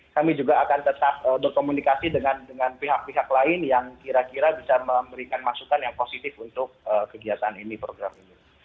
kami juga akan tetap berkomunikasi dengan pihak pihak lain yang kira kira bisa memberikan masukan yang positif untuk kegiatan ini program ini